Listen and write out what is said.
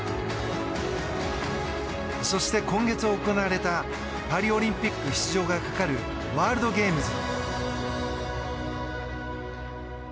そして、今月行われたパリオリンピック出場がかかるワールドゲームズ。